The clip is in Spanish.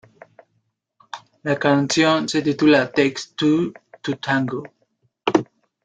La canción se titula "Takes Two To Tango".